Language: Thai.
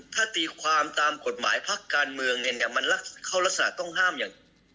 ถ้าตีความตามกฎหมายพักการเมืองเนี่ยมันเข้ารักษณะต้องห้ามอย่าง